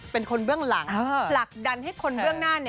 เป็นคนเบื้องหลังผลักดันให้คนแบบนั้น